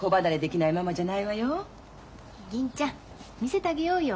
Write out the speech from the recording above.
銀ちゃん見せたげようよ。